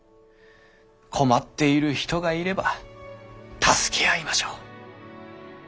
困っている人がいれば助け合いましょう。